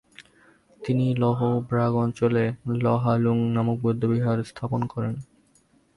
তিনি লহো-ব্রাগ অঞ্চলে ল্হা-লুং নামক বৌদ্ধবিহার স্থাপন করেন।